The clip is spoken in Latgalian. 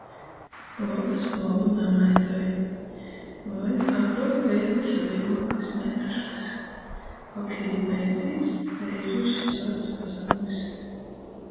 Lobs lobu namaitoj, voi - agruok beja veseleiguokys meituškys... Hokejs beidzīs, veirīši suoc pasamūst.